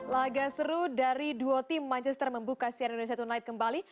laga seru dari duo tim manchester membuka sierra unisatunite kembali